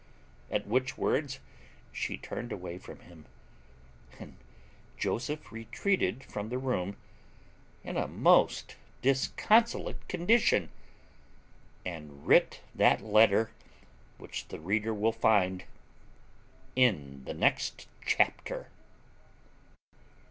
At which words she turned away from him; and Joseph retreated from the room in a most disconsolate condition, and writ that letter which the reader will find in the next chapter.